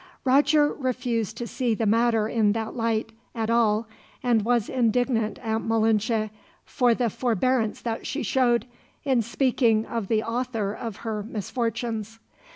Roger refused to see the matter in that light, at all, and was indignant at Malinche for the forbearance that she showed, in speaking of the author of her misfortunes.